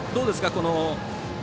この。